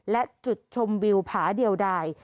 และจุดชมวิวผาเดียวใด